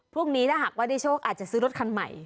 พรุ่งนี้ถ้าหากว่าได้โชคอาจจะซื้อรถคันใหม่